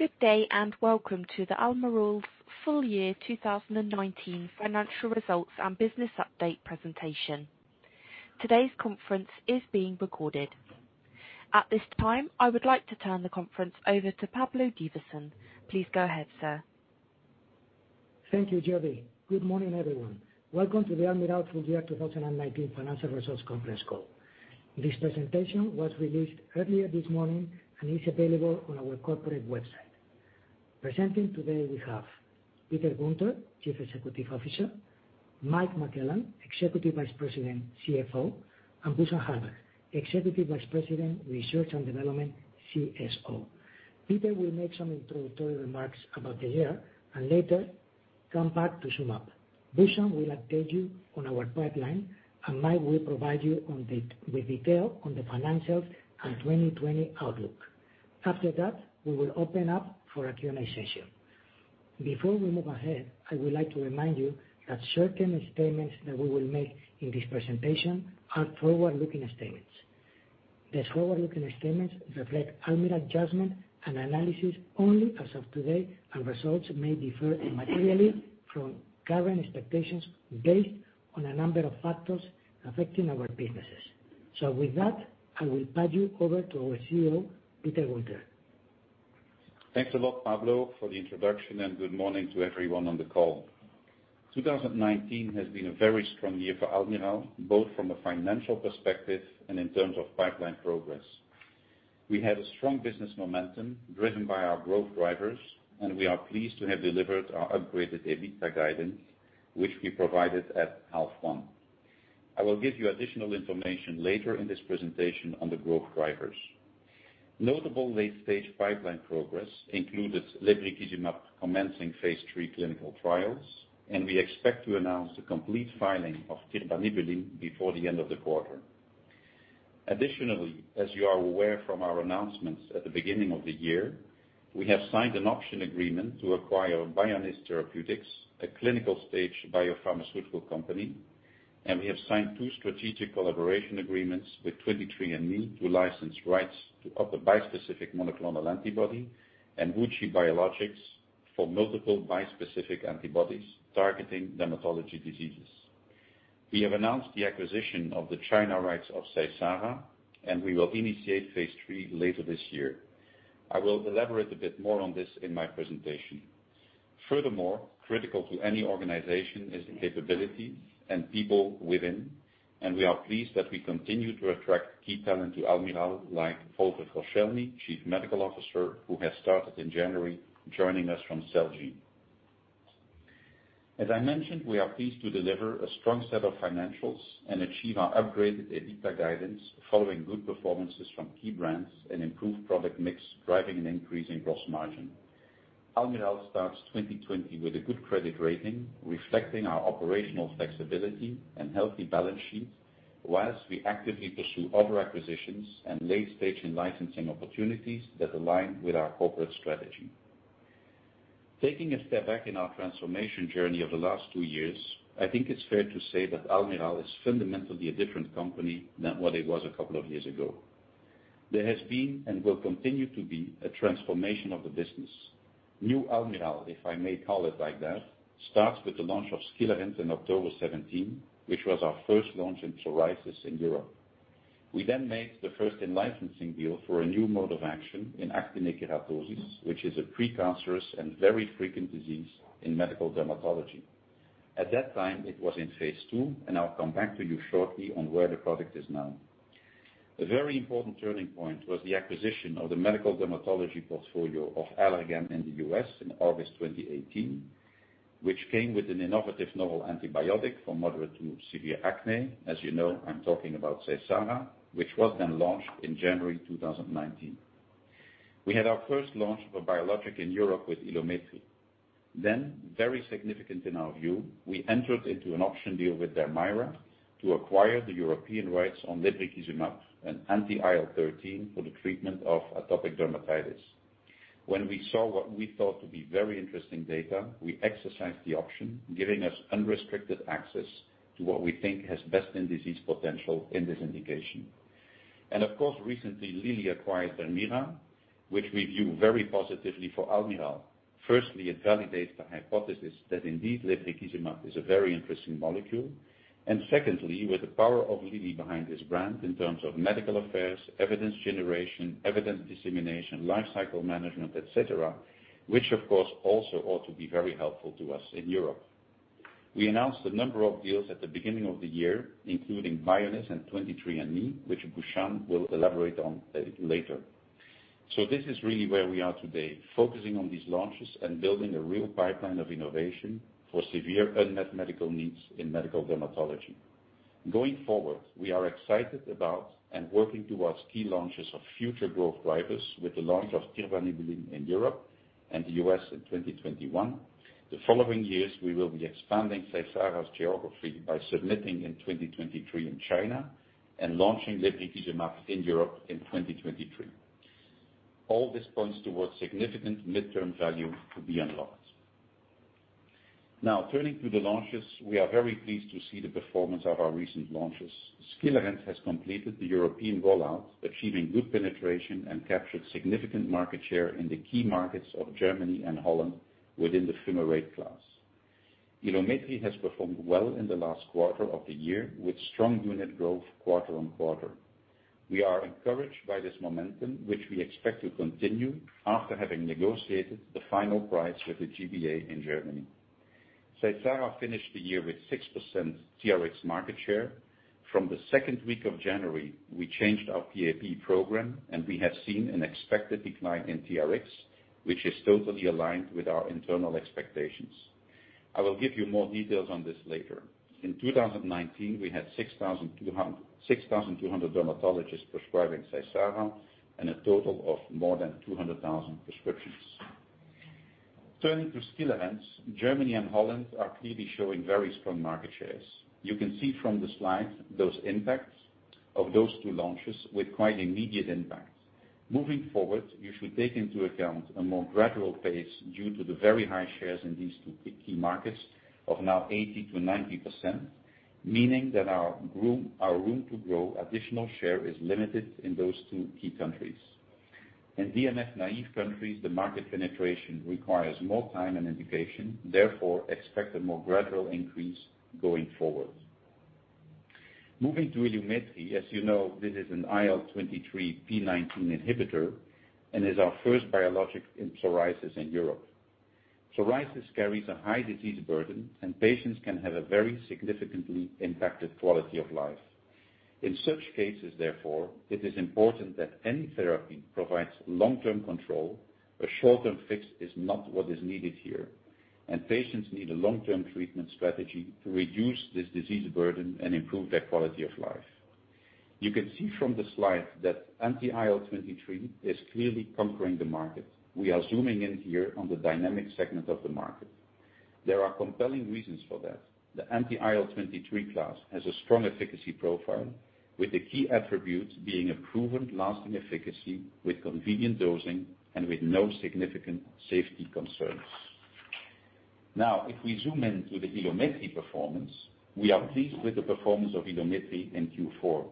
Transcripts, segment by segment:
Good day, welcome to the Almirall's full year 2019 financial results and business update presentation. Today's conference is being recorded. At this time, I would like to turn the conference over to Pablo Divasson. Please go ahead, sir. Thank you, Jody. Good morning, everyone. Welcome to the Almirall full year 2019 financial results conference call. This presentation was released earlier this morning, and is available on our corporate website. Presenting today we have Peter Guenter, Chief Executive Officer, Mike McClellan, Executive Vice President, CFO, and Bhushan Hardas, Executive Vice President, Research and Development, CSO. Peter will make some introductory remarks about the year, and later come back to sum up. Bhushan will update you on our pipeline, and Mike will provide you with detail on the financials and 2020 outlook. After that, we will open up for a Q&A session. Before we move ahead, I would like to remind you that certain statements that we will make in this presentation are forward-looking statements. These forward-looking statements reflect Almirall judgment and analysis only as of today. Results may differ materially from current expectations based on a number of factors affecting our businesses. With that, I will hand you over to our CEO, Peter Guenter. Thanks a lot, Pablo, for the introduction. Good morning to everyone on the call. 2019 has been a very strong year for Almirall, both from a financial perspective and in terms of pipeline progress. We had a strong business momentum driven by our growth drivers. We are pleased to have delivered our upgraded EBITDA guidance, which we provided at half one. I will give you additional information later in this presentation on the growth drivers. Notable late-stage pipeline progress included lebrikizumab commencing phase III clinical trials. We expect to announce the complete filing of tirbanibulin before the end of the quarter. Additionally, as you are aware from our announcements at the beginning of the year, we have signed an option agreement to acquire Bioniz Therapeutics, a clinical stage biopharmaceutical company, and we have signed two strategic collaboration agreements with 23andMe to license rights to other bispecific monoclonal antibody, and WuXi Biologics for multiple bispecific antibodies targeting dermatology diseases. We have announced the acquisition of the China rights of Seysara. We will initiate phase III later this year. I will elaborate a bit more on this in my presentation. Critical to any organization is the capability and people within, and we are pleased that we continue to attract key talent to Almirall, like Volker Koscielny, Chief Medical Officer, who has started in January, joining us from Celgene. As I mentioned, we are pleased to deliver a strong set of financials and achieve our upgraded EBITDA guidance following good performances from key brands and improved product mix, driving an increase in gross margin. Almirall starts 2020 with a good credit rating, reflecting our operational flexibility and healthy balance sheet, whilst we actively pursue other acquisitions and late-stage in-licensing opportunities that align with our corporate strategy. Taking a step back in our transformation journey of the last two years, I think it's fair to say that Almirall is fundamentally a different company than what it was a couple of years ago. There has been and will continue to be a transformation of the business. New Almirall, if I may call it like that, starts with the launch of Skilarence in October 2017, which was our first launch in psoriasis in Europe. We made the first in-licensing deal for a new mode of action in actinic keratosis, which is a pre-cancerous and very frequent disease in medical dermatology. At that time, it was in phase II, and I'll come back to you shortly on where the product is now. A very important turning point was the acquisition of the medical dermatology portfolio of Allergan in the U.S. in August 2018, which came with an innovative novel antibiotic for moderate to severe acne. As you know, I'm talking about Seysara, which was then launched in January 2019. We had our first launch of a biologic in Europe with Ilumetri. Very significant in our view, we entered into an option deal with Dermira to acquire the European rights on lebrikizumab, an anti-IL-13 for the treatment of atopic dermatitis. When we saw what we thought to be very interesting data, we exercised the option, giving us unrestricted access to what we think has best in disease potential in this indication. Of course, recently, Lilly acquired Dermira, which we view very positively for Almirall. Firstly, it validates the hypothesis that indeed lebrikizumab is a very interesting molecule. Secondly, with the power of Lilly behind this brand in terms of medical affairs, evidence generation, evidence dissemination, life cycle management, et cetera, which of course also ought to be very helpful to us in Europe. We announced a number of deals at the beginning of the year, including Bioniz and 23andMe, which Bhushan will elaborate on later. This is really where we are today, focusing on these launches and building a real pipeline of innovation for severe unmet medical needs in medical dermatology. Going forward, we are excited about and working towards key launches of future growth drivers with the launch of tirbanibulin in Europe and the U.S. in 2021. The following years, we will be expanding Seysara's geography by submitting in 2023 in China, and launching lebrikizumab in Europe in 2023. All this points towards significant midterm value to be unlocked. Turning to the launches. We are very pleased to see the performance of our recent launches. Skilarence has completed the European rollout, achieving good penetration and captured significant market share in the key markets of Germany and Holland within the fumarate class. Ilumetri has performed well in the last quarter of the year, with strong unit growth quarter-on-quarter. We are encouraged by this momentum, which we expect to continue after having negotiated the final price with the G-BA in Germany. Seysara finished the year with 6% TRx market share. From the second week of January, we changed our PAP program, and we have seen an expected decline in TRx, which is totally aligned with our internal expectations. I will give you more details on this later. In 2019, we had 6,200 dermatologists prescribing Seysara and a total of more than 200,000 prescriptions. Turning to Skilarence, Germany and Holland are clearly showing very strong market shares. You can see from the slide those impacts of those two launches with quite immediate impact. Moving forward, you should take into account a more gradual pace due to the very high shares in these two key markets of now 80%-90%, meaning that our room to grow additional share is limited in those two key countries. In DMF-naive countries, the market penetration requires more time and education, therefore expect a more gradual increase going forward. Moving to Ilumetri, as you know, this is an IL-23p19 inhibitor and is our first biologic in psoriasis in Europe. Psoriasis carries a high disease burden, and patients can have a very significantly impacted quality of life. In such cases, therefore, it is important that any therapy provides long-term control. A short-term fix is not what is needed here, and patients need a long-term treatment strategy to reduce this disease burden and improve their quality of life. You can see from the slide that anti-IL-23 is clearly conquering the market. We are zooming in here on the dynamic segment of the market. There are compelling reasons for that. The anti-IL-23 class has a strong efficacy profile, with the key attributes being a proven lasting efficacy with convenient dosing and with no significant safety concerns. Now, if we zoom into the Ilumetri performance, we are pleased with the performance of Ilumetri in Q4.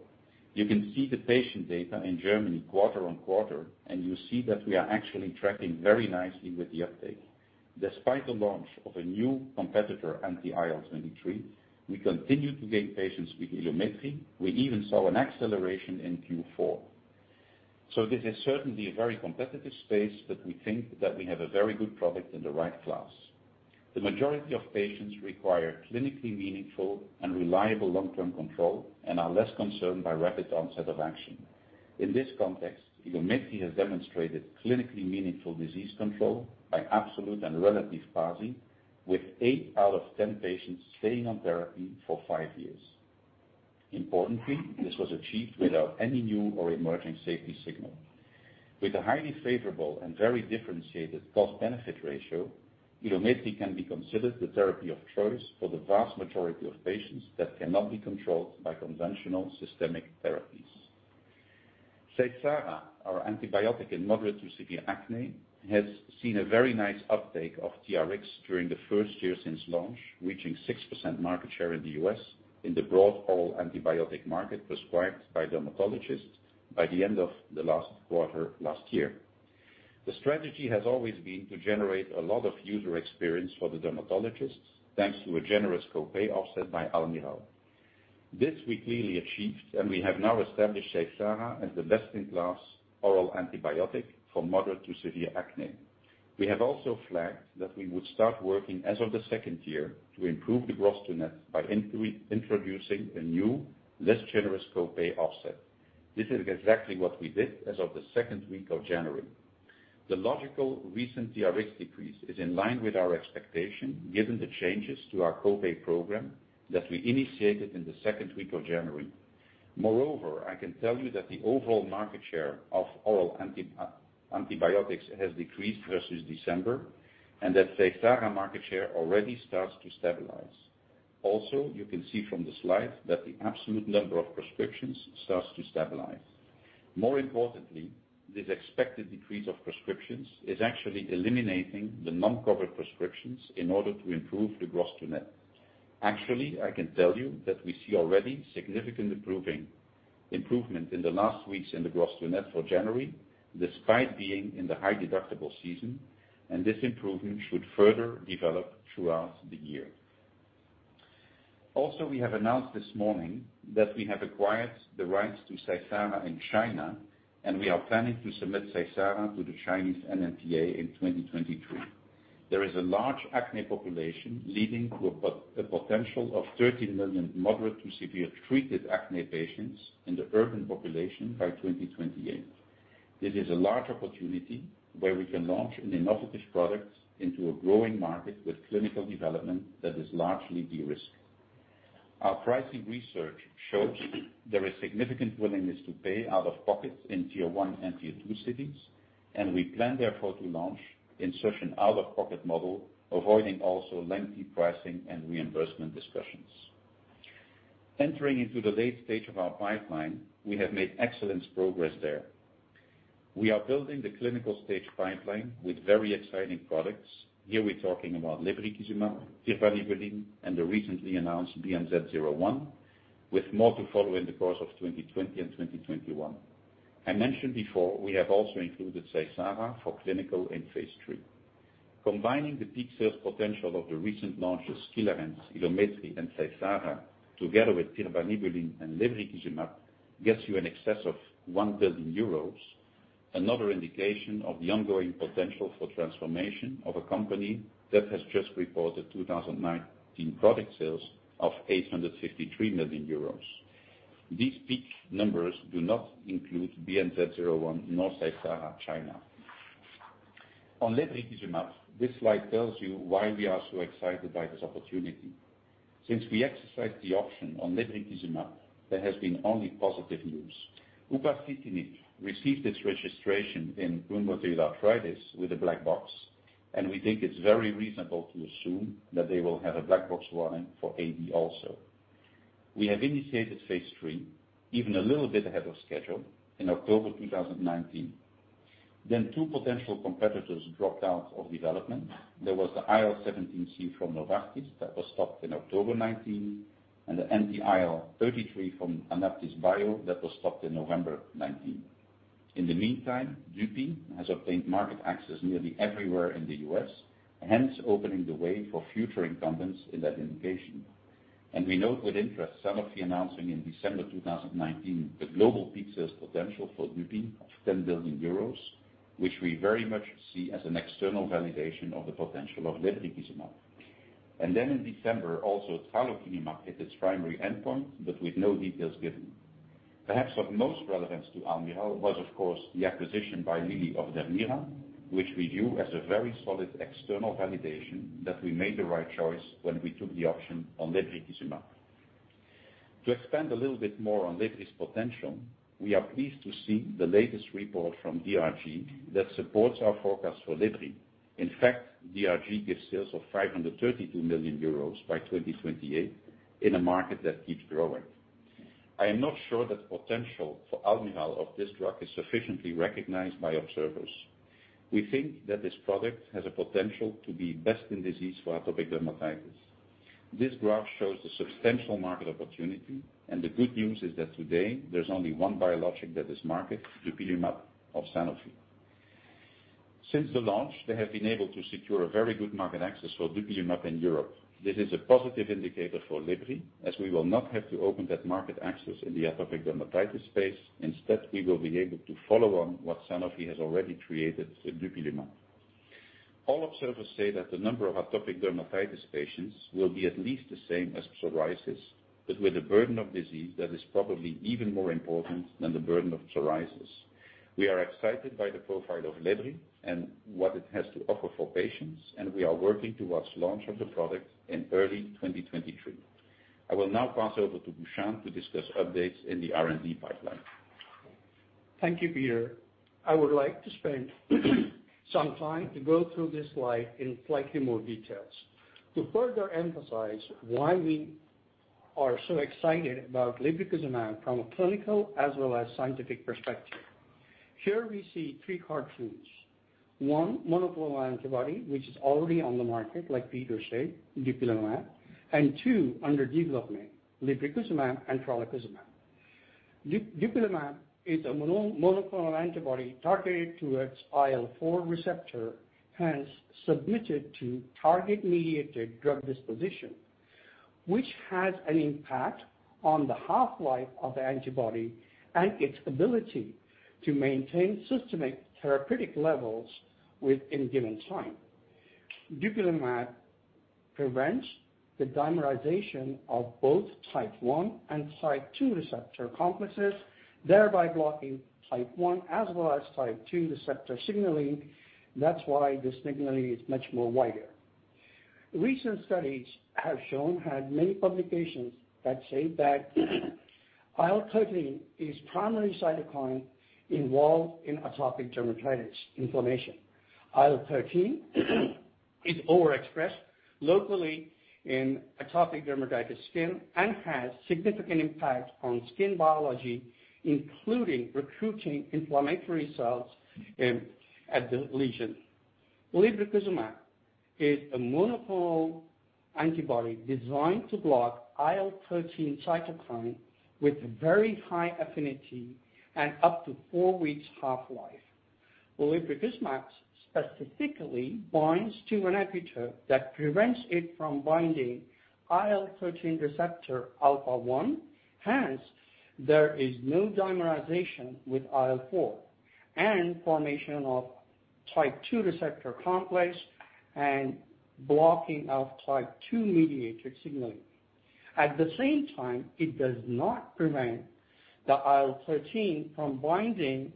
You can see the patient data in Germany quarter on quarter, you see that we are actually tracking very nicely with the uptake. Despite the launch of a new competitor, anti-IL-23, we continue to gain patients with Ilumetri. We even saw an acceleration in Q4. This is certainly a very competitive space, we think that we have a very good product in the right class. The majority of patients require clinically meaningful and reliable long-term control and are less concerned by rapid onset of action. In this context, Ilumetri has demonstrated clinically meaningful disease control by absolute and relative PASI, with eight out of 10 patients staying on therapy for five years. Importantly, this was achieved without any new or emerging safety signal. With a highly favorable and very differentiated cost-benefit ratio, Ilumetri can be considered the therapy of choice for the vast majority of patients that cannot be controlled by conventional systemic therapies. Seysara, our antibiotic in moderate to severe acne, has seen a very nice uptake of TRxs during the first year since launch, reaching 6% market share in the U.S. in the broad oral antibiotic market prescribed by dermatologists by the end of the last quarter last year. The strategy has always been to generate a lot of user experience for the dermatologists, thanks to a generous copay offset by Almirall. This we clearly achieved, and we have now established Seysara as the best in class oral antibiotic for moderate to severe acne. We have also flagged that we would start working as of the second year to improve the gross to net by introducing a new, less generous copay offset. This is exactly what we did as of the second week of January. The logical recent TRx decrease is in line with our expectation, given the changes to our copay program that we initiated in the second week of January. Moreover, I can tell you that the overall market share of oral antibiotics has decreased versus December, and that Seysara market share already starts to stabilize. Also, you can see from the slide that the absolute number of prescriptions starts to stabilize. More importantly, this expected decrease of prescriptions is actually eliminating the non-covered prescriptions in order to improve the gross to net. Actually, I can tell you that we see already significant improvement in the last weeks in the gross to net for January, despite being in the high deductible season, and this improvement should further develop throughout the year. Also, we have announced this morning that we have acquired the rights to Seysara in China, and we are planning to submit Seysara to the Chinese NMPA in 2023. There is a large acne population leading to a potential of 13 million moderate to severe treated acne patients in the urban population by 2028. This is a large opportunity where we can launch an innovative product into a growing market with clinical development that is largely de-risked. Our pricing research shows there is significant willingness to pay out of pocket in Tier 1 and Tier 2 cities. We plan, therefore, to launch in such an out-of-pocket model, avoiding also lengthy pricing and reimbursement discussions. Entering into the late stage of our pipeline, we have made excellent progress there. We are building the clinical-stage pipeline with very exciting products. Here we're talking about lebrikizumab, tirbanibulin, and the recently announced BNZ-01, with more to follow in the course of 2020 and 2021. I mentioned before, we have also included Seysara for clinical in phase III. Combining the peak sales potential of the recent launches, Skilarence, Ilumetri, and Seysara, together with tirbanibulin and lebrikizumab, gets you in excess of 1 billion euros, another indication of the ongoing potential for transformation of a company that has just reported 2019 product sales of 853 million euros. These peak numbers do not include BNZ-01 nor Seysara China. On lebrikizumab, this slide tells you why we are so excited by this opportunity. Since we exercised the option on lebrikizumab, there has been only positive news. Upadacitinib received its registration in rheumatoid arthritis with a black box. We think it's very reasonable to assume that they will have a black box warning for AD also. We have initiated phase III, even a little bit ahead of schedule, in October 2019. Two potential competitors dropped out of development. There was the IL-17C from Novartis that was stopped in October 2019. The anti-IL-33 from AnaptysBio that was stopped in November 2019. In the meantime, dupi has obtained market access nearly everywhere in the U.S., hence opening the way for future incumbents in that indication. We note with interest Sanofi announcing in December 2019 the global peak sales potential for dupi of 10 billion euros, which we very much see as an external validation of the potential of lebrikizumab. Then in December, also, tralokinumab hit its primary endpoint, but with no details given. Perhaps of most relevance to Almirall was, of course, the acquisition by Lilly of Dermira, which we view as a very solid external validation that we made the right choice when we took the option on lebrikizumab. To expand a little bit more on lebri's potential, we are pleased to see the latest report from DRG that supports our forecast for lebri. In fact, DRG gives sales of 532 million euros by 2028 in a market that keeps growing. I am not sure that the potential for Almirall of this drug is sufficiently recognized by observers. We think that this product has a potential to be best in disease for atopic dermatitis. This graph shows the substantial market opportunity, and the good news is that today, there's only one biologic that is market, dupilumab of Sanofi. Since the launch, they have been able to secure a very good market access for dupilumab in Europe. This is a positive indicator for lebri, as we will not have to open that market access in the atopic dermatitis space. Instead, we will be able to follow on what Sanofi has already created with dupilumab. All observers say that the number of atopic dermatitis patients will be at least the same as psoriasis, but with a burden of disease that is probably even more important than the burden of psoriasis. We are excited by the profile of lebri and what it has to offer for patients, and we are working towards launch of the product in early 2023. I will now pass over to Bhushan to discuss updates in the R&D pipeline. Thank you, Peter. I would like to spend some time to go through this slide in slightly more details. To further emphasize why we are so excited about lebrikizumab from a clinical as well as scientific perspective. Here we see three cartoons. One monoclonal antibody, which is already on the market, like Peter said, dupilumab, and two under development, lebrikizumab and tralokinumab. dupilumab is a monoclonal antibody targeted towards IL-4 receptor, hence submitted to target-mediated drug disposition, which has an impact on the half-life of the antibody and its ability to maintain systemic therapeutic levels within a given time. dupilumab prevents the dimerization of both type 1 and type 2 receptor complexes, thereby blocking type 1 as well as type 2 receptor signaling. That's why the signaling is much more wider. Recent studies have shown, had many publications that say that IL-13 is primary cytokine involved in atopic dermatitis inflammation. IL-13 is overexpressed locally in atopic dermatitis skin and has significant impact on skin biology, including recruiting inflammatory cells at the lesion. Lebrikizumab is a monoclonal antibody designed to block IL-13 cytokine with very high affinity and up to four weeks half-life. Lebrikizumab specifically binds to an epitope that prevents it from binding IL-13 receptor alpha 1, hence there is no dimerization with IL-4, and formation of type 2 receptor complex and blocking of type 2 mediated signaling. At the same time, it does not prevent the IL-13 from binding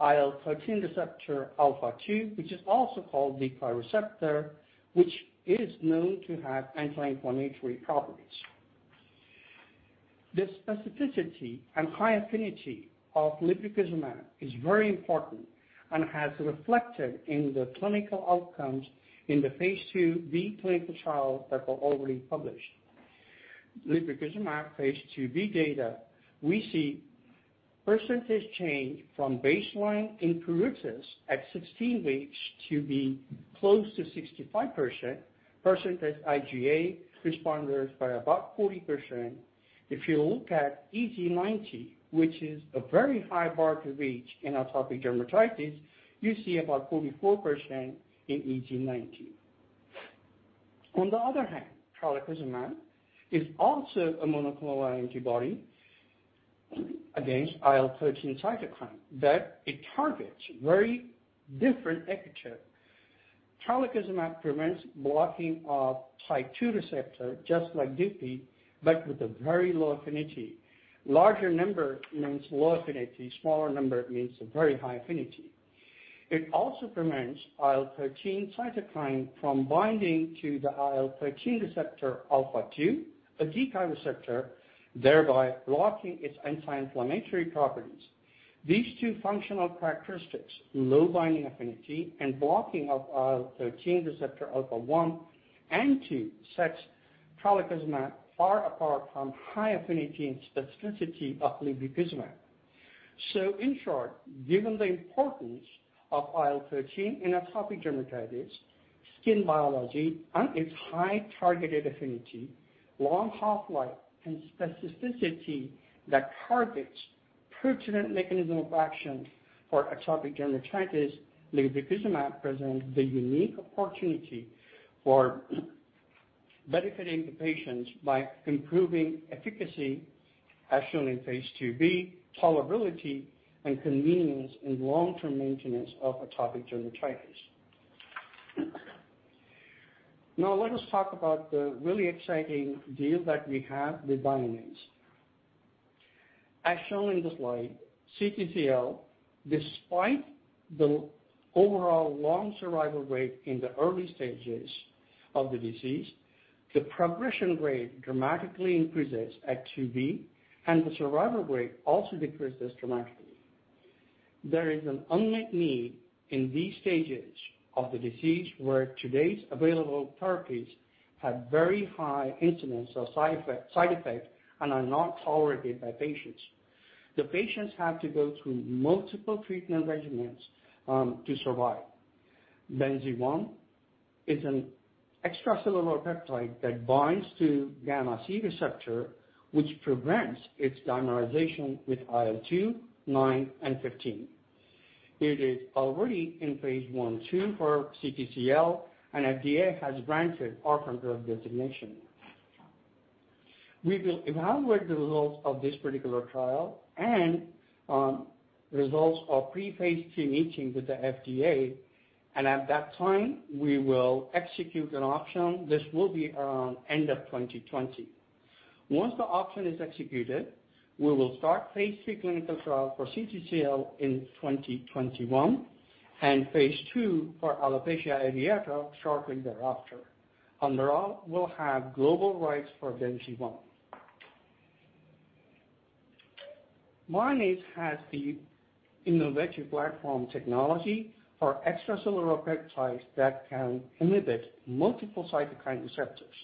IL-13 receptor alpha 2, which is also called the decoy receptor, which is known to have anti-inflammatory properties. The specificity and high affinity of lebrikizumab is very important and has reflected in the clinical outcomes in the phase II-B clinical trials that were already published. Lebrikizumab Phase II-B data, we see percentage change from baseline in pruritus at 16 weeks to be close to 65%, percentage IgA responders by about 40%. If you look at EASI-90, which is a very high bar to reach in atopic dermatitis, you see about 44% in EASI-90. On the other hand, tralokinumab is also a monoclonal antibody against IL-13 cytokine, but it targets very different epitope. Tralokinumab prevents blocking of type 2 receptor just like dupi, but with a very low affinity. Larger number means low affinity, smaller number means a very high affinity. It also prevents IL-13 cytokine from binding to the IL-13 receptor alpha 2, a decoy receptor, thereby blocking its anti-inflammatory properties. These two functional characteristics, low binding affinity and blocking of IL-13 receptor alpha 1 and 2, sets tralokinumab far apart from high affinity and specificity of lebrikizumab. In short, given the importance of IL-13 in atopic dermatitis, skin biology, and its high targeted affinity, long half-life, and specificity that targets pertinent mechanism of action for atopic dermatitis, lebrikizumab presents the unique opportunity for benefiting the patients by improving efficacy as shown in phase II-B, tolerability, and convenience in long-term maintenance of atopic dermatitis. Let us talk about the really exciting deal that we have with Bioniz. As shown in the slide, CTCL, despite the overall long survival rate in the early stages of the disease, the progression rate dramatically increases at II-B, and the survival rate also decreases dramatically. There is an unmet need in these stages of the disease where today's available therapies have very high incidence of side effects and are not tolerated by patients. The patients have to go through multiple treatment regimens to survive. BNZ-1 is an extracellular peptide that binds to common gamma c receptor, which prevents its dimerization with IL-2, 9, and 15. It is already in phase I/II for CTCL, and FDA has granted orphan drug designation. We will evaluate the results of this particular trial and results of pre-phase II meeting with the FDA, and at that time we will execute an option. This will be around end of 2020. Once the option is executed, we will start phase III clinical trial for CTCL in 2021, and phase II for alopecia areata shortly thereafter. Almirall will have global rights for BNZ-1. Bioniz has the innovative platform technology for extracellular peptides that can inhibit multiple cytokine receptors.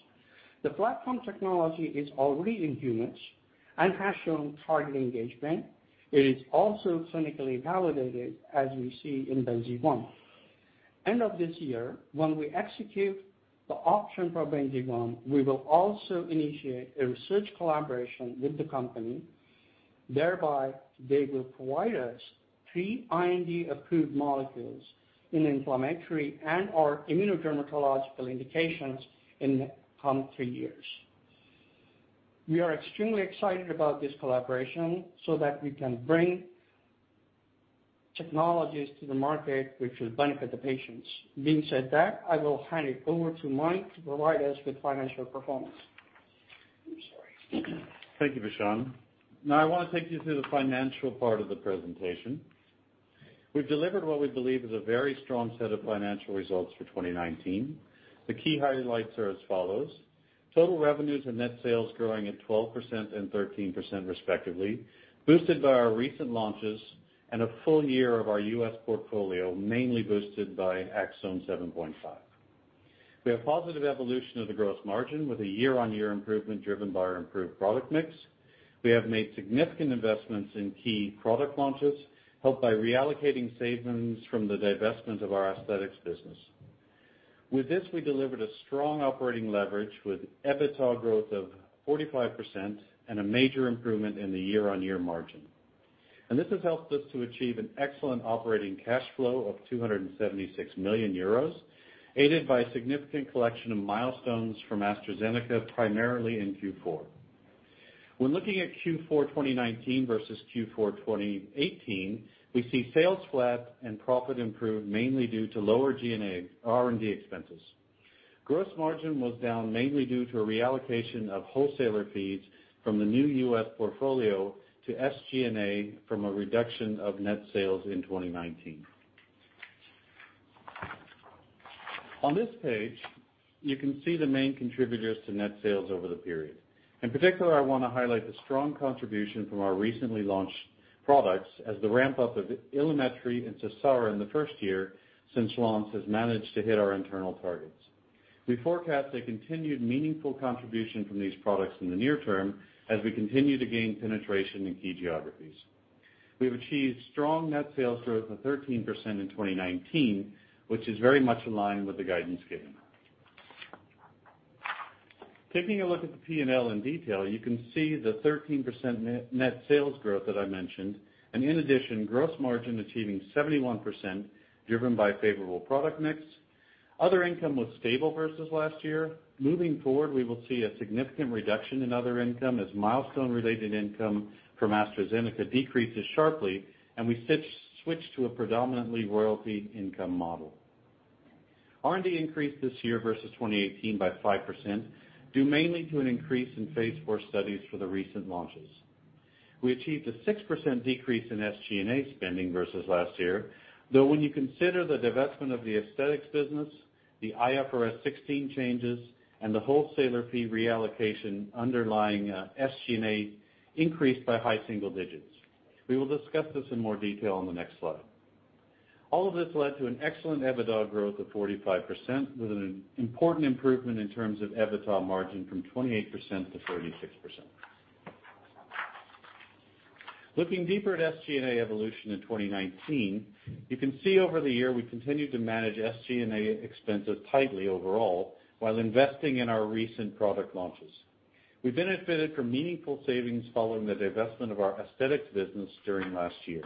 The platform technology is already in humans and has shown target engagement. It is also clinically validated as we see in BNZ-1. End of this year, when we execute the option for BNZ-1, we will also initiate a research collaboration with the company. Thereby, they will provide us three IND-approved molecules in inflammatory and/or immunodermatological indications in the coming three years. We are extremely excited about this collaboration so that we can bring technologies to the market which will benefit the patients. Being said that, I will hand it over to Mike to provide us with financial performance. I'm sorry. Thank you, Bhushan. I want to take you through the financial part of the presentation. We've delivered what we believe is a very strong set of financial results for 2019. The key highlights are as follows. Total revenues and net sales growing at 12% and 13% respectively, boosted by our recent launches and a full year of our U.S. portfolio, mainly boosted by ACZONE 7.5%. We have positive evolution of the gross margin with a year-on-year improvement driven by our improved product mix. We have made significant investments in key product launches helped by reallocating savings from the divestment of our aesthetics business. With this, we delivered a strong operating leverage with EBITDA growth of 45% and a major improvement in the year-on-year margin. This has helped us to achieve an excellent operating cash flow of 276 million euros, aided by significant collection of milestones from AstraZeneca, primarily in Q4. When looking at Q4 2019 versus Q4 2018, we see sales flat and profit improved, mainly due to lower G&A, R&D expenses. Gross margin was down mainly due to a reallocation of wholesaler fees from the new U.S. portfolio to SG&A from a reduction of net sales in 2019. On this page, you can see the main contributors to net sales over the period. In particular, I want to highlight the strong contribution from our recently launched products as the ramp-up of Ilumetri and Seysara in the first year since launch has managed to hit our internal targets. We forecast a continued meaningful contribution from these products in the near term as we continue to gain penetration in key geographies. We have achieved strong net sales growth of 13% in 2019, which is very much in line with the guidance given. Taking a look at the P&L in detail, you can see the 13% net sales growth that I mentioned, and in addition, gross margin achieving 71% driven by favorable product mix. Other income was stable versus last year. Moving forward, we will see a significant reduction in other income as milestone-related income from AstraZeneca decreases sharply, and we switch to a predominantly royalty income model. R&D increased this year versus 2018 by 5%, due mainly to an increase in phase IV studies for the recent launches. We achieved a 6% decrease in SG&A spending versus last year, though when you consider the divestment of the aesthetics business, the IFRS 16 changes, and the wholesaler fee reallocation underlying SG&A increased by high single digits. We will discuss this in more detail on the next slide. All of this led to an excellent EBITDA growth of 45%, with an important improvement in terms of EBITDA margin from 28% to 46%. Looking deeper at SG&A evolution in 2019, you can see over the year we continued to manage SG&A expenses tightly overall while investing in our recent product launches. We benefited from meaningful savings following the divestment of our aesthetics business during last year.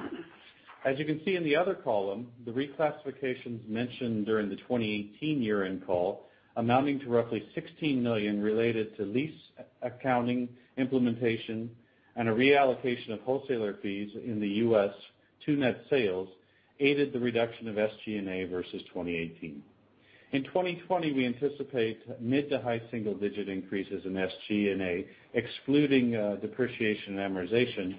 As you can see in the other column, the reclassifications mentioned during the 2018 year-end call, amounting to roughly 16 million related to lease accounting implementation and a reallocation of wholesaler fees in the U.S. to net sales, aided the reduction of SG&A versus 2018. In 2020, we anticipate mid to high single-digit increases in SG&A, excluding depreciation and amortization,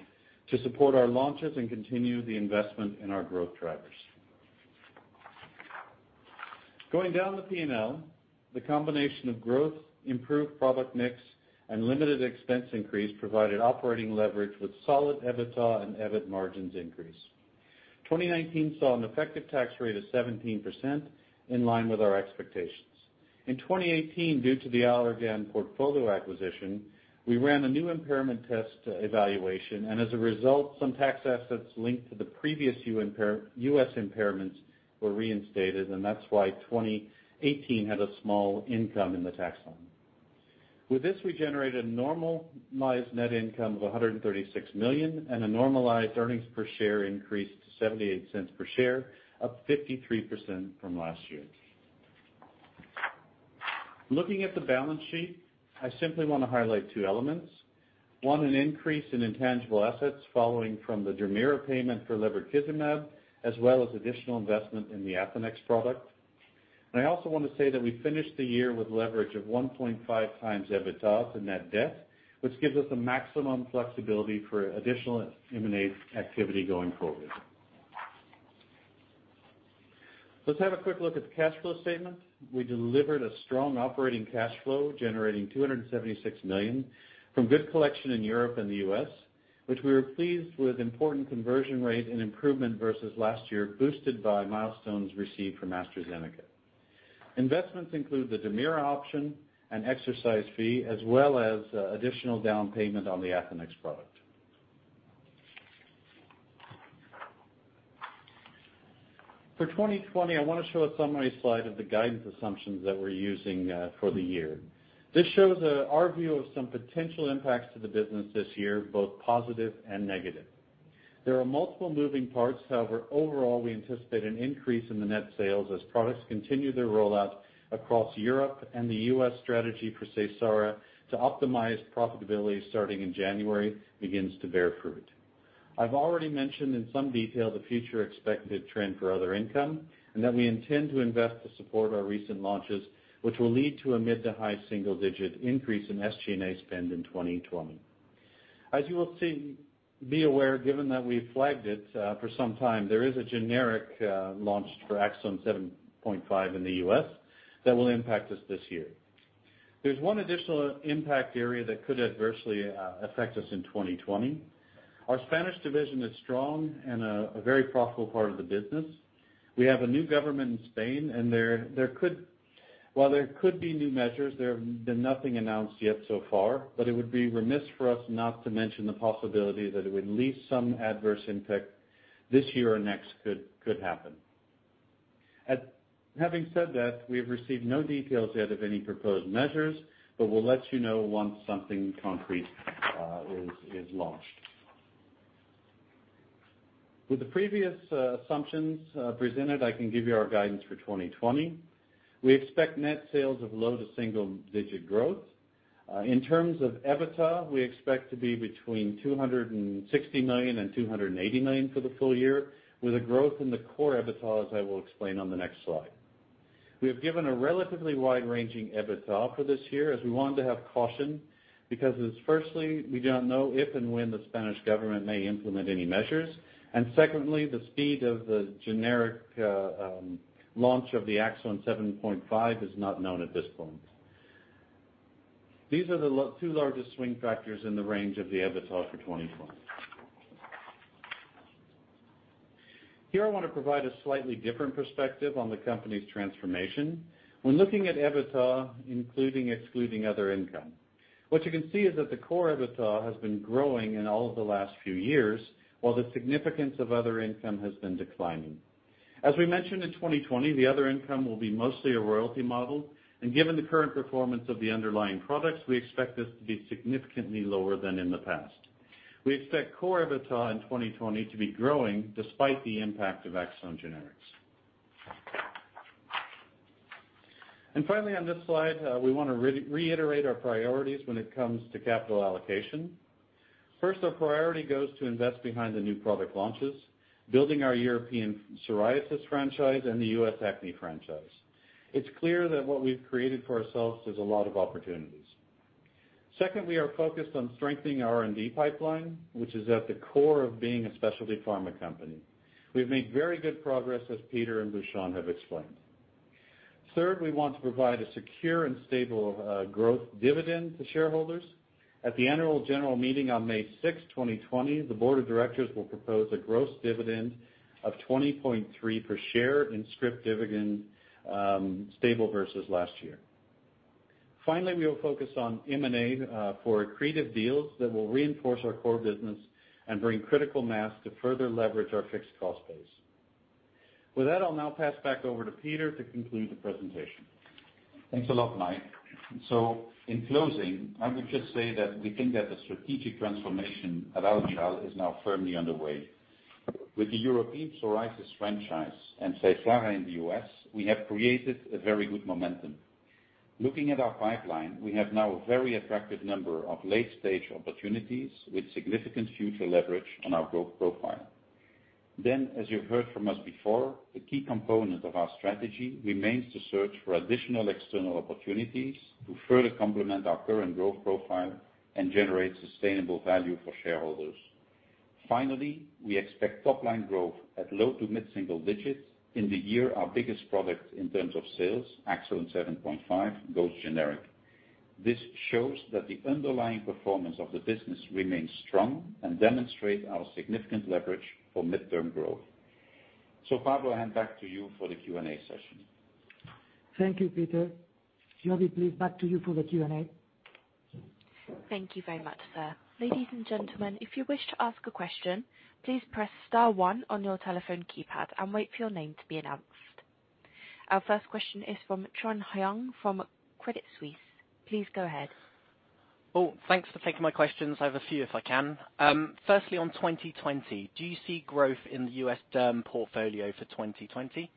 to support our launches and continue the investment in our growth drivers. Going down the P&L, the combination of growth, improved product mix, and limited expense increase provided operating leverage with solid EBITDA and EBIT margins increase. 2019 saw an effective tax rate of 17%, in line with our expectations. In 2018, due to the Allergan portfolio acquisition, we ran a new impairment test evaluation. As a result, some tax assets linked to the previous U.S. impairments were reinstated. That's why 2018 had a small income in the tax line. With this, we generated a normalized net income of 136 million and a normalized earnings per share increase to 0.78 per share, up 53% from last year. Looking at the balance sheet, I simply want to highlight two elements. One, an increase in intangible assets following from the Dermira payment for lebrikizumab, as well as additional investment in the Athenex product. I also want to say that we finished the year with leverage of 1.5 times EBITDAs in net debt, which gives us a maximum flexibility for additional M&A activity going forward. Let's have a quick look at the cash flow statement. We delivered a strong operating cash flow, generating 276 million from good collection in Europe and the U.S., which we were pleased with important conversion rate and improvement versus last year, boosted by milestones received from AstraZeneca. Investments include the Dermira option and exercise fee, as well as additional down payment on the Athenex product. For 2020, I want to show a summary slide of the guidance assumptions that we're using for the year. This shows our view of some potential impacts to the business this year, both positive and negative. There are multiple moving parts. However, overall, we anticipate an increase in the net sales as products continue their rollout across Europe and the U.S. strategy for Seysara to optimize profitability starting in January begins to bear fruit. I've already mentioned in some detail the future expected trend for other income, and that we intend to invest to support our recent launches, which will lead to a mid to high single-digit increase in SG&A spend in 2020. As you will be aware, given that we've flagged it for some time, there is a generic launch for ACZONE 7.5% in the U.S. that will impact us this year. There's one additional impact area that could adversely affect us in 2020. Our Spanish division is strong and a very profitable part of the business. We have a new government in Spain, and while there could be new measures, there have been nothing announced yet so far. It would be remiss for us not to mention the possibility that at least some adverse impact this year or next could happen. Having said that, we have received no details yet of any proposed measures, but we'll let you know once something concrete is launched. With the previous assumptions presented, I can give you our guidance for 2020. We expect net sales of low to single-digit growth. In terms of EBITDA, we expect to be between 260 million and 280 million for the full year, with a growth in the core EBITDA, as I will explain on the next slide. We have given a relatively wide-ranging EBITDA for this year as we wanted to have caution because firstly, we don't know if and when the Spanish government may implement any measures, and secondly, the speed of the generic launch of the ACZONE 7.5% is not known at this point. These are the two largest swing factors in the range of the EBITDA for 2020. Here, I want to provide a slightly different perspective on the company's transformation when looking at EBITDA, including excluding other income. What you can see is that the core EBITDA has been growing in all of the last few years, while the significance of other income has been declining. As we mentioned, in 2020, the other income will be mostly a royalty model, and given the current performance of the underlying products, we expect this to be significantly lower than in the past. We expect core EBITDA in 2020 to be growing despite the impact of ACZONE generics. Finally, on this slide, we want to reiterate our priorities when it comes to capital allocation. First, our priority goes to invest behind the new product launches, building our European psoriasis franchise and the U.S. acne franchise. It's clear that what we've created for ourselves is a lot of opportunities. Second, we are focused on strengthening our R&D pipeline, which is at the core of being a specialty pharma company. We've made very good progress, as Peter and Bhushan have explained. Third, we want to provide a secure and stable growth dividend to shareholders. At the Annual General Meeting on May 6, 2020, the Board of Directors will propose a growth dividend of 20.3 per share in script dividend, stable versus last year. Finally, we will focus on M&A for accretive deals that will reinforce our core business and bring critical mass to further leverage our fixed cost base. With that, I will now pass back over to Peter to conclude the presentation. Thanks a lot, Mike. In closing, I would just say that we think that the strategic transformation at Almirall is now firmly underway. With the European psoriasis franchise and Seysara in the U.S., we have created a very good momentum. Looking at our pipeline, we have now a very attractive number of late-stage opportunities with significant future leverage on our growth profile. As you've heard from us before, the key component of our strategy remains the search for additional external opportunities to further complement our current growth profile and generate sustainable value for shareholders. Finally, we expect top-line growth at low to mid-single digits in the year our biggest product in terms of sales, ACZONE 7.5%, goes generic. This shows that the underlying performance of the business remains strong and demonstrates our significant leverage for mid-term growth. Pablo, I'll hand back to you for the Q&A session. Thank you, Peter. Jody, please back to you for the Q&A. Thank you very much, sir. Ladies and gentlemen, if you wish to ask a question, please press star one on your telephone keypad and wait for your name to be announced. Our first question is from Trung Huynh from Credit Suisse. Please go ahead. Thanks for taking my questions. I have a few if I can. Firstly, on 2020, do you see growth in the U.S. derm portfolio for 2020?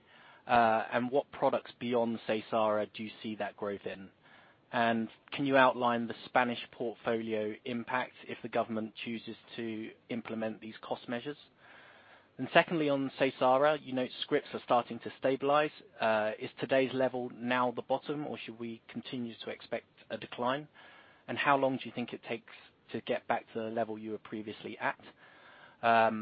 What products beyond Seysara do you see that growth in? Can you outline the Spanish portfolio impact if the government chooses to implement these cost measures? Secondly, on Seysara, you note scripts are starting to stabilize. Is today's level now the bottom, or should we continue to expect a decline? How long do you think it takes to get back to the level you were previously at?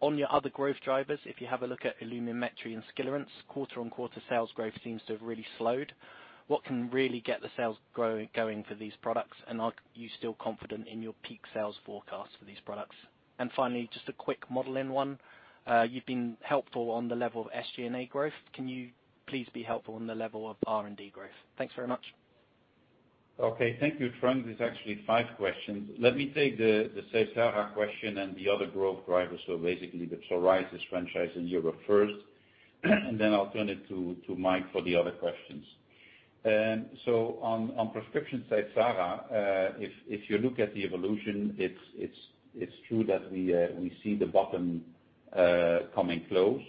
On your other growth drivers, if you have a look at Ilumetri and Skilarence, quarter-on-quarter sales growth seems to have really slowed. What can really get the sales going for these products, and are you still confident in your peak sales forecast for these products? Finally, just a quick model in one. You've been helpful on the level of SG&A growth. Can you please be helpful on the level of R&D growth? Thanks very much. Okay. Thank you, Trung. There's actually five questions. Let me take the Seysara question and the other growth drivers, so basically the psoriasis franchise in Europe first, and then I'll turn it to Mike for the other questions. On prescription Seysara, if you look at the evolution, it's true that we see the bottom coming close.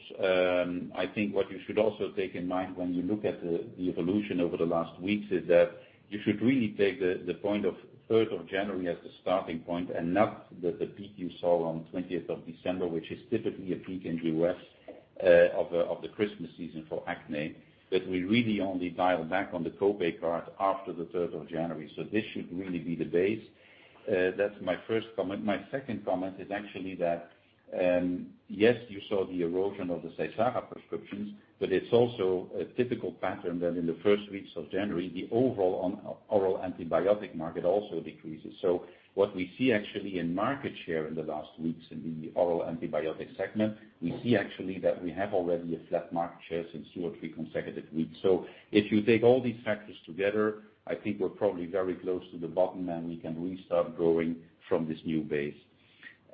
I think what you should also take in mind when you look at the evolution over the last weeks is that you should really take the point of 3rd of January as the starting point and not the peak you saw on 20th of December, which is typically a peak in U.S. of the Christmas season for acne, that we really only dial back on the copay card after the 3rd of January. This should really be the base. That's my first comment. My second comment is actually that, yes, you saw the erosion of the Seysara prescriptions. It's also a typical pattern that in the first weeks of January, the overall oral antibiotic market also decreases. What we see actually in market share in the last weeks in the oral antibiotic segment, we see actually that we have already a flat market share since two or three consecutive weeks. If you take all these factors together, I think we're probably very close to the bottom. We can restart growing from this new base.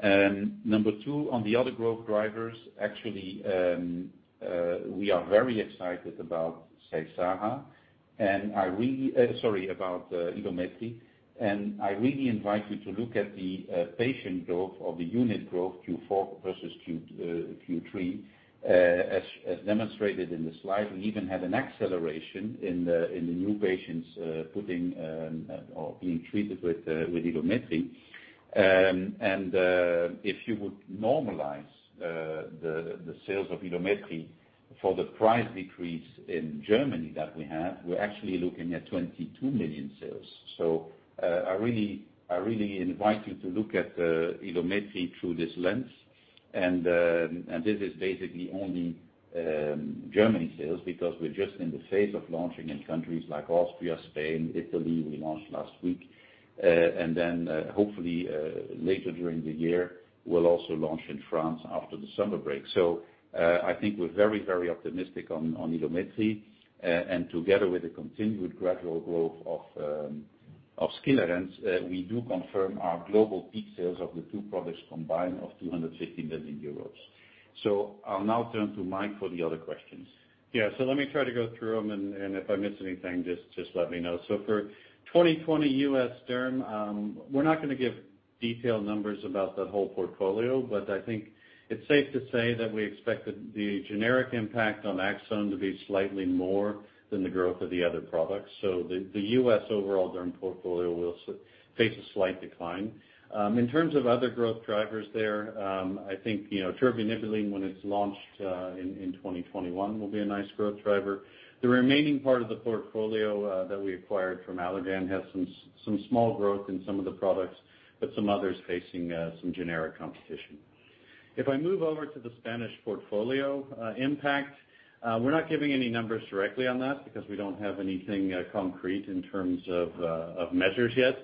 Number two, on the other growth drivers, actually, we are very excited about Seysara, sorry, about Ilumetri. I really invite you to look at the patient growth or the unit growth Q4 versus Q3, as demonstrated in the slide. We even had an acceleration in the new patients putting or being treated with Ilumetri. If you would normalize the sales of Ilumetri for the price decrease in Germany that we have, we're actually looking at 22 million sales. I really invite you to look at Ilumetri through this lens. This is basically only Germany sales because we're just in the phase of launching in countries like Austria, Spain, Italy, we launched last week. Then hopefully, later during the year, we'll also launch in France after the summer break. I think we're very, very optimistic on Ilumetri. Together with the continued gradual growth of Skilarence, we do confirm our global peak sales of the two products combined of 250 million euros. I'll now turn to Mike for the other questions. Yeah. Let me try to go through them, and if I miss anything, just let me know. For 2020 U.S. derm, we're not going to give detailed numbers about the whole portfolio, but I think it's safe to say that we expect the generic impact on ACZONE to be slightly more than the growth of the other products. The U.S. overall derm portfolio will face a slight decline. In terms of other growth drivers there, I think, tirbanibulin, when it's launched in 2021, will be a nice growth driver. The remaining part of the portfolio that we acquired from Allergan has some small growth in some of the products, but some others facing some generic competition. If I move over to the Spanish portfolio impact, we're not giving any numbers directly on that because we don't have anything concrete in terms of measures yet.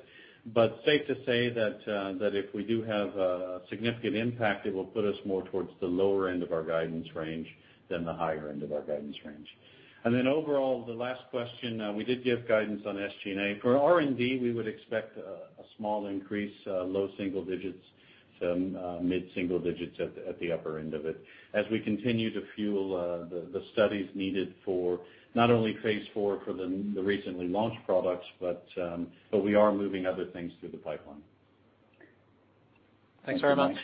Safe to say that if we do have a significant impact, it will put us more towards the lower end of our guidance range than the higher end of our guidance range. Overall, the last question, we did give guidance on SG&A. For R&D, we would expect a small increase, low single digits to mid-single digits at the upper end of it as we continue to fuel the studies needed for not only phase IV for the recently launched products, but we are moving other things through the pipeline. Thanks very much.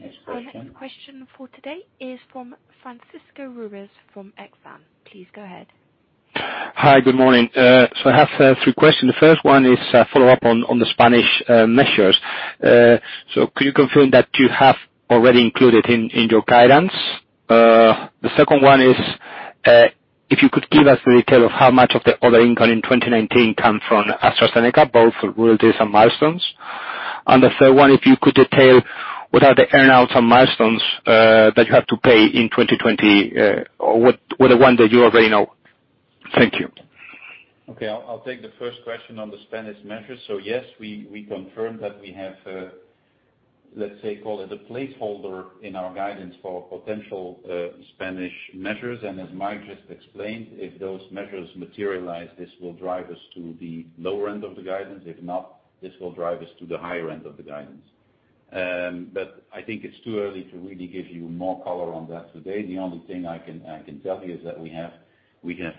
Next question. Our next question for today is from Francisco Ruiz from Exane. Please go ahead. Hi, good morning. I have three questions. The first one is a follow-up on the Spanish measures. Could you confirm that you have already included in your guidance? The second one is if you could give us the detail of how much of the other income in 2019 came from AstraZeneca, both royalties and milestones. The third one, if you could detail what are the earn-outs on milestones that you have to pay in 2020, or what are the ones that you already know. Thank you. Okay. I'll take the first question on the Spanish measures. Yes, we confirm that we have, let's say, call it a placeholder in our guidance for potential Spanish measures. As Mike just explained, if those measures materialize, this will drive us to the lower end of the guidance. If not, this will drive us to the higher end of the guidance. I think it's too early to really give you more color on that today. The only thing I can tell you is that we have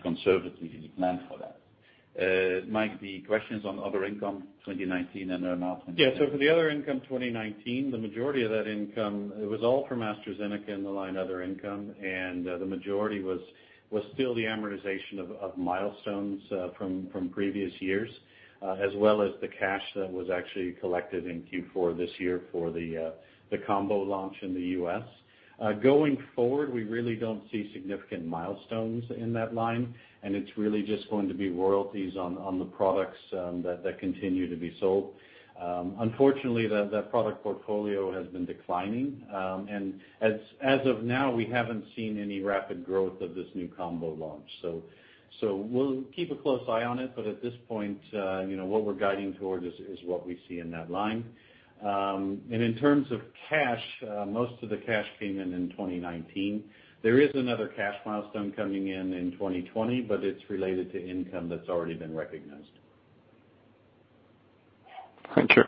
conservatively planned for that. Mike, the questions on other income 2019 and earn-out 2020. For the other income 2019, the majority of that income, it was all from AstraZeneca in the line other income, and the majority was still the amortization of milestones from previous years as well as the cash that was actually collected in Q4 this year for the combo launch in the U.S. Going forward, we really don't see significant milestones in that line, and it's really just going to be royalties on the products that continue to be sold. Unfortunately, that product portfolio has been declining. As of now, we haven't seen any rapid growth of this new combo launch. We'll keep a close eye on it, but at this point, what we're guiding towards is what we see in that line. In terms of cash, most of the cash came in in 2019. There is another cash milestone coming in in 2020, but it's related to income that's already been recognized. Thank you.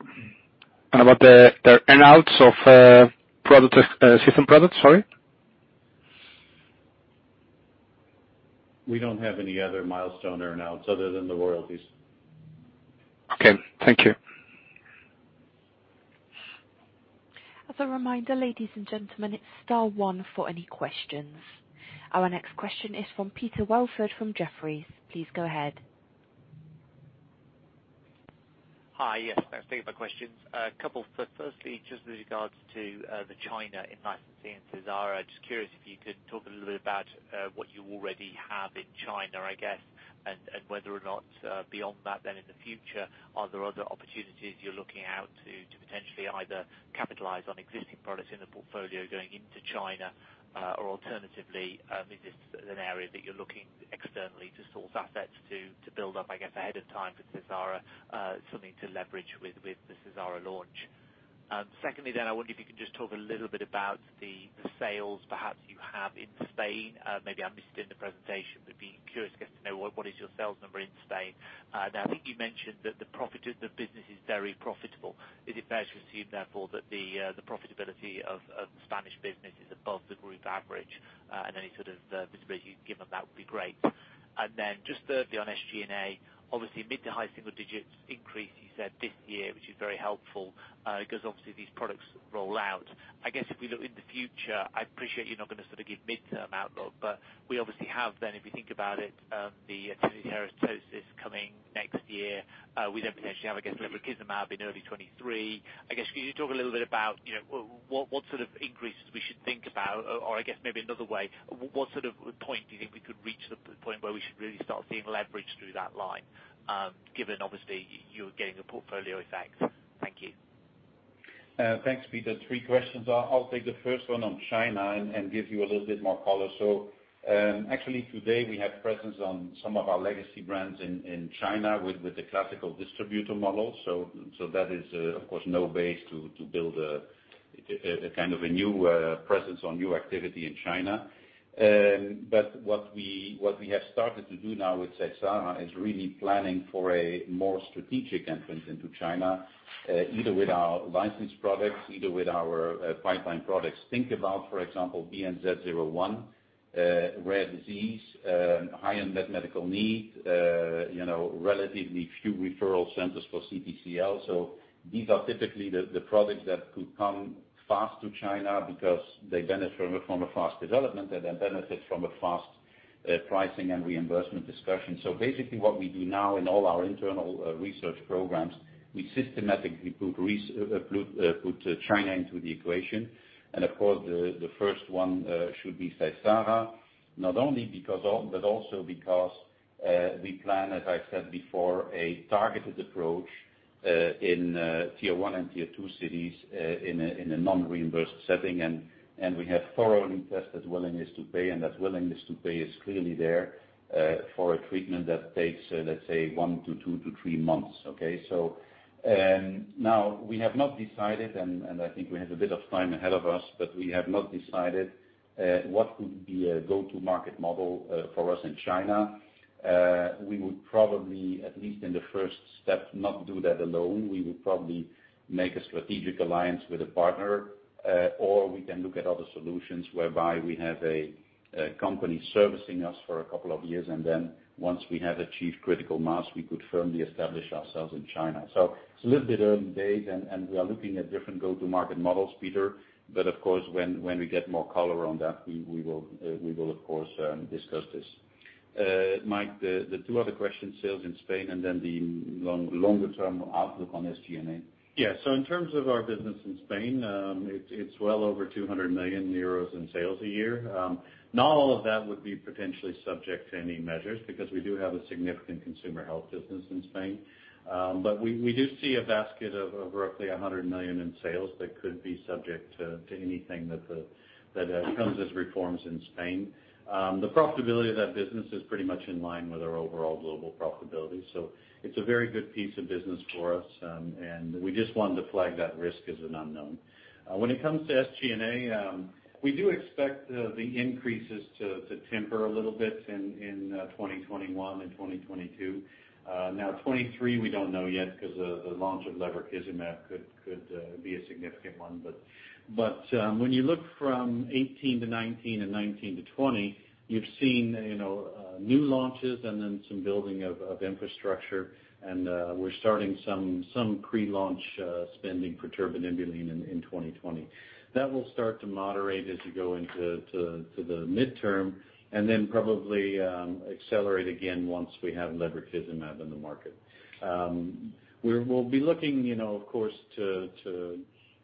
About the earn-outs of system products, sorry. We don't have any other milestone earn-outs other than the royalties. Okay. Thank you. As a reminder, ladies and gentlemen, it's star one for any questions. Our next question is from Peter Welford from Jefferies. Please go ahead. Hi. Yes, thanks. My questions, a couple. Firstly, just with regards to the China in licensing Seysara, just curious if you could talk a little bit about what you already have in China, I guess, and whether or not beyond that, then in the future, are there other opportunities you're looking out to potentially either capitalize on existing products in the portfolio going into China? Alternatively, is this an area that you're looking externally to source assets to build up, I guess, ahead of time for Seysara, something to leverage with the Seysara launch? Secondly, I wonder if you can just talk a little bit about the sales perhaps you have in Spain. Maybe I missed it in the presentation, but be curious, I guess, to know what is your sales number in Spain. Now, I think you mentioned that the business is very profitable. Is it fair to assume, therefore, that the profitability of the Spanish business is above the group average? Any sort of visibility you can give on that would be great. Then just thirdly, on SG&A, obviously mid to high single digits increase you said this year, which is very helpful because obviously these products roll out. If we look in the future, I appreciate you're not going to sort of give midterm outlook, but we obviously have then, if you think about it, the atopic dermatitis coming next year. We then potentially have lebrikizumab in early 2023. Can you talk a little bit about what sort of increases we should think about? I guess maybe another way, what sort of point do you think we could reach the point where we should really start seeing leverage through that line given obviously you're getting a portfolio effect? Thank you. Thanks, Peter. Three questions. I'll take the first one on China and give you a little bit more color. Actually today we have presence on some of our legacy brands in China with the classical distributor model. That is, of course, no base to build a kind of a new presence or new activity in China. What we have started to do now with Seysara is really planning for a more strategic entrance into China, either with our licensed products, either with our pipeline products. Think about, for example, BNZ-01, rare disease, high unmet medical need, relatively few referral centers for CTCL. These are typically the products that could come fast to China because they benefit from a form of fast development, and they benefit from a fast pricing and reimbursement discussion. Basically what we do now in all our internal research programs, we systematically put China into the equation. Of course, the first one should be Seysara, not only because of, but also because we plan, as I said before, a targeted approach in Tier 1 and Tier 2 cities in a non-reimbursed setting. We have thoroughly tested willingness to pay, and that willingness to pay is clearly there for a treatment that takes, let's say one to two to three months. Okay. Now we have not decided, and I think we have a bit of time ahead of us, but we have not decided what would be a go-to market model for us in China. We would probably, at least in the first step, not do that alone. We would probably make a strategic alliance with a partner. We can look at other solutions whereby we have a company servicing us for a couple of years, and then once we have achieved critical mass, we could firmly establish ourselves in China. It's a little bit early days, and we are looking at different go-to market models, Peter. Of course, when we get more color on that, we will of course, discuss this. Mike, the two other questions, sales in Spain, and then the longer-term outlook on SG&A. In terms of our business in Spain, it's well over 200 million euros in sales a year. Not all of that would be potentially subject to any measures because we do have a significant consumer health business in Spain. We do see a basket of roughly 100 million in sales that could be subject to anything that comes as reforms in Spain. The profitability of that business is pretty much in line with our overall global profitability. It's a very good piece of business for us. We just wanted to flag that risk as an unknown. When it comes to SG&A, we do expect the increases to temper a little bit in 2021 and 2022. 2023, we don't know yet because the launch of lebrikizumab could be a significant one. When you look from 2018 to 2019 and 2019 to 2020, you've seen new launches and then some building of infrastructure. We're starting some pre-launch spending for tirbanibulin in 2020. That will start to moderate as you go into the midterm and then probably accelerate again once we have lebrikizumab in the market. We'll be looking, of course,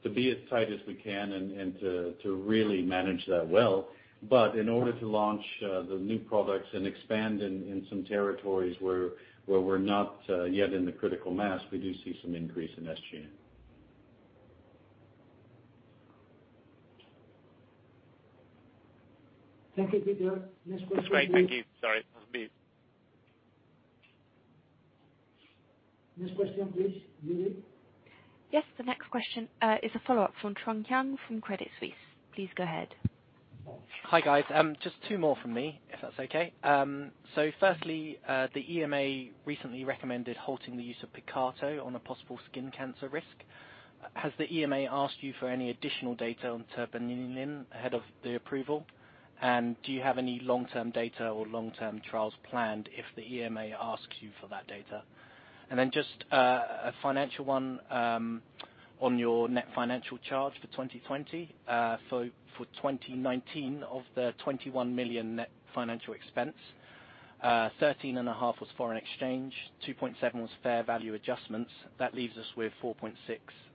to be as tight as we can and to really manage that well. In order to launch the new products and expand in some territories where we're not yet in the critical mass, we do see some increase in SG&A. Thank you, Peter. Next question please. Great. Thank you. Sorry. That was me. Next question, please. Jody. Yes. The next question is a follow-up from Trung Huynh from Credit Suisse. Please go ahead. Hi, guys. Just two more from me, if that's okay. Firstly, the EMA recently recommended halting the use of Picato on a possible skin cancer risk. Has the EMA asked you for any additional data on tirbanibulin ahead of the approval? Do you have any long-term data or long-term trials planned if the EMA asks you for that data? Just a financial one on your net financial charge for 2020. For 2019, of the 21 million net financial expense, 13.5 million was foreign exchange, 2.7 million was fair value adjustments. That leaves us with 4.6 million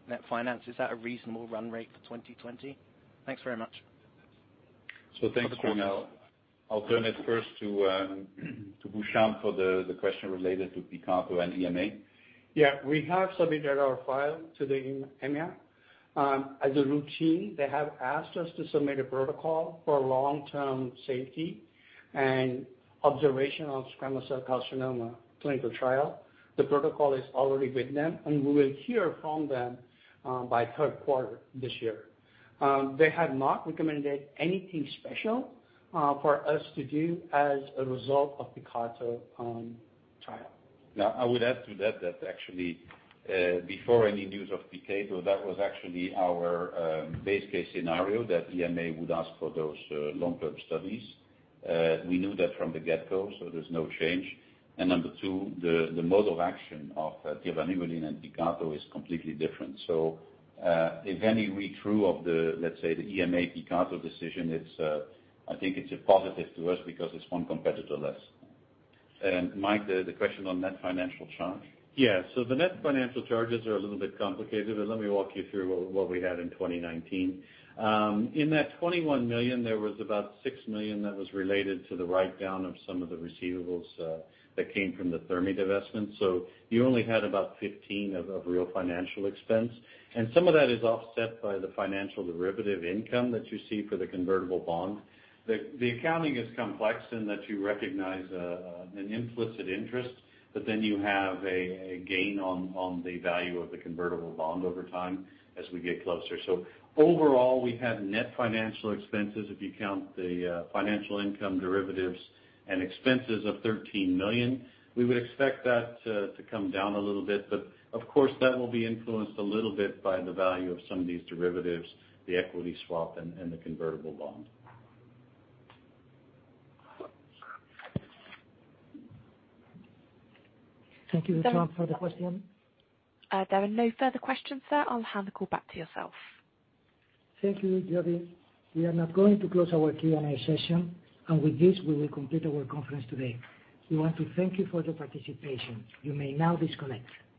net finance. Is that a reasonable run rate for 2020? Thanks very much. Thanks, Trung Huynh. I'll turn it first to Bhushan for the question related to Picato and EMA. Yeah. We have submitted our file to the EMA. As a routine, they have asked us to submit a protocol for long-term safety and observation of squamous cell carcinoma clinical trial. The protocol is already with them, and we will hear from them by third quarter this year. They have not recommended anything special for us to do as a result of Picato trial. I would add to that actually, before any news of Picato, that was actually our base case scenario, that EMA would ask for those long-term studies. We knew that from the get-go, so there's no change. Number two, the mode of action of tirbanibulin and Picato is completely different. If any reversal of the, let's say, the EMA Picato decision, I think it's a positive to us because it's one competitor less. Mike, the question on net financial charge? The net financial charges are a little bit complicated, but let me walk you through what we had in 2019. In that 21 million, there was about 6 million that was related to the write-down of some of the receivables that came from the Thermi divestment. You only had about 15 million of real financial expense. Some of that is offset by the financial derivative income that you see for the convertible bond. The accounting is complex in that you recognize an implicit interest, but then you have a gain on the value of the convertible bond over time as we get closer. Overall, we have net financial expenses, if you count the financial income derivatives and expenses of 13 million. We would expect that to come down a little bit, but of course, that will be influenced a little bit by the value of some of these derivatives, the equity swap, and the convertible bond. Thank you, Trung, for the question. There are no further questions, sir. I'll hand the call back to yourself. Thank you, Jody. We are now going to close our Q&A session. With this, we will complete our conference today. We want to thank you for your participation. You may now disconnect.